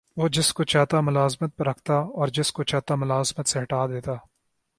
وہ جس کو چاہتا ملازمت پر رکھتا اور جس کو چاہتا ملازمت سے ہٹا دیتا